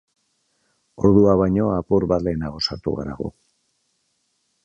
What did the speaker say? Ordua baino apur bat lehenago sartu gara gu.